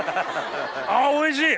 あおいしい！